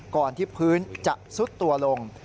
ก่อนที่พื้นจะซุดตัวลง